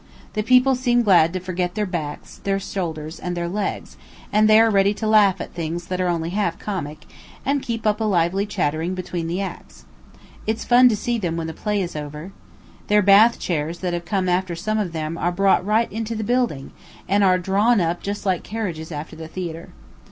The people seemed glad to forget their backs, their shoulders, and their legs, and they are ready to laugh at things that are only half comic, and keep up a lively chattering between the acts. It's fun to see them when the play is over. The bath chairs that have come after some of them are brought right into the building, and are drawn up just like carriages after the theatre.